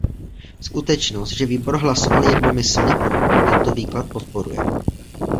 Skutečnost, že výbor hlasoval jednomyslně pro, tento výklad podporuje.